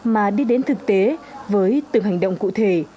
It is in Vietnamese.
mà đi đến thực tế với từng hành động cụ thể